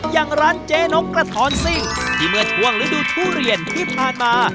อย่างร้านเจ๊นกกระท้อนซิ่งที่เมื่อช่วงฤดูทุเรียนที่ผ่านมา